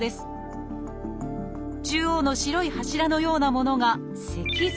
中央の白い柱のようなものが脊髄。